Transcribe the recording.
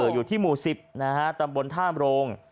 อยู่ที่หมู่๑๐ตำบลท่ามโรง